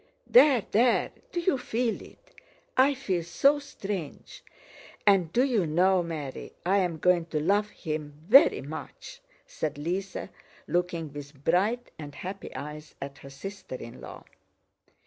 "There, there! Do you feel it? I feel so strange. And do you know, Mary, I am going to love him very much," said Lise, looking with bright and happy eyes at her sister in law.